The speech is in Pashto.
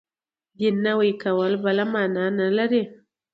دین نوی کول بله معنا نه لري.